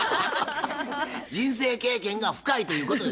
人生経験が深いということで。